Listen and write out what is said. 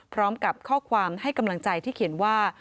พร้อมกับข้อความให้กำลังใจที่เขียนว่า